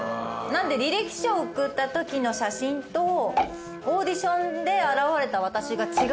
なんで履歴書送ったときの写真とオーディションで現れた私が。